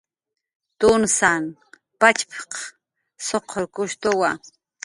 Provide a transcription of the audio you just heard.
"Tunsan pachp""q suqurkushtuwa"